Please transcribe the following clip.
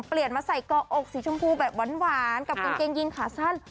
เปลี่ยนมาใส่เกาะอกสีชมพูแบบหวานกับกางเกงยีนขาสั้น